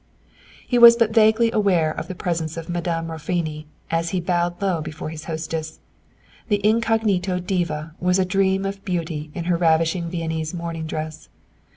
He was but vaguely aware of the presence of Madame Raffoni, as he bowed low before his hostess. The incognito diva was a dream of beauty in her ravishing Viennese morning dress.